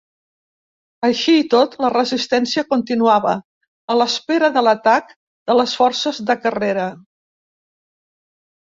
Així i tot, la resistència continuava, a l'espera de l'atac de les forces de Carrera.